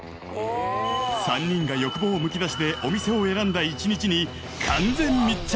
［３人が欲望むき出しでお店を選んだ一日に完全密着］